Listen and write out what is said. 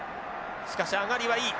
しかし上がりはいい。